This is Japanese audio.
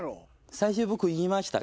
最初僕言いました。